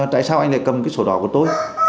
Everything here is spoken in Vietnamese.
tại sao anh lại cầm cái sổ đỏ của tôi